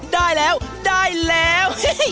ได้แล้วได้แล้ว